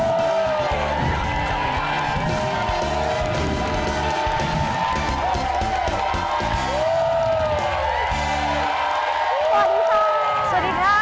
สวัสดีครับ